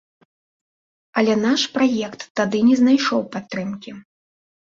Але наш праект тады не знайшоў падтрымкі.